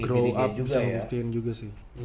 bisa ngebuktiin juga sih